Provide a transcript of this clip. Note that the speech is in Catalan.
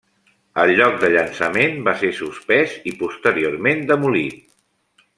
El lloc de llançament va ser suspès i posteriorment demolit.